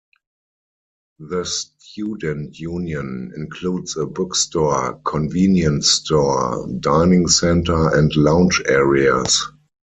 The Student Union includes a bookstore, convenience store, dining center, and lounge areas.